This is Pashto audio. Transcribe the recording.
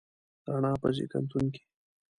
د رڼا په زیږنتون کې